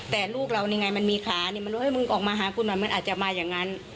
แต่ลูกเรานี่ไงมันมีขานี่มันรู้เฮ้มึงออกมาหากูหน่อยมันอาจจะมาอย่างนั้น